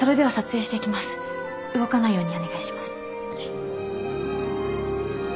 はい。